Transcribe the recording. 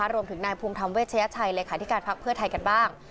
รวมถึงนายภูมิธรรมเวชยชัยเลขาธิการพักเพื่อไทยกันบ้าง